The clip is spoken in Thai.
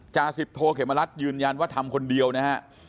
จาสิบโทเขมรัฐยืนยันว่าทำคนเดียวนะฮะ